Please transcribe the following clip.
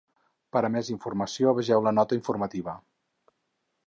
Per a més informació vegeu la nota informativa.